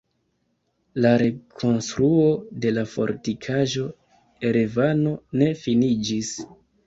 La rekonstruo de la Fortikaĵo Erevano ne finiĝis.